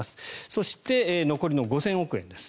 そして残りの５０００億円です。